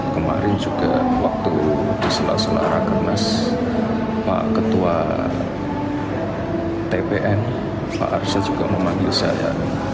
kemarin juga waktu di selara selara kemas pak ketua tpn pak arsa juga memanggil saya